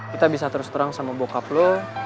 kita bisa terus terang sama bokap lo